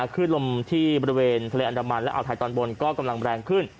ขึ้นลมที่บริเวณทะเลอันดามันและอ่าวไทยตอนบนก็กำลังแรงขึ้น